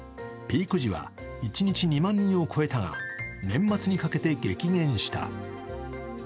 ピーク時は一日２万人を超えたが、年末にかけて激減した。